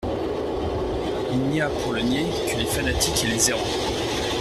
Il n'y a pour le nier que les fanatiques et les errants.